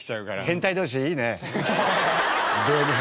変態同士いいね。